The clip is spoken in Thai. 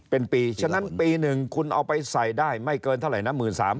เป็นปีฉะนั้นปีหนึ่งคุณเอาไปใส่ได้ไม่เกินเท่าไหร่นะ๑๓๐๐บาท